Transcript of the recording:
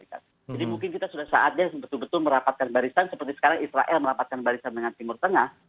mungkin kita sudah saatnya betul betul merapatkan barisan seperti sekarang israel merapatkan barisan dengan timur tengah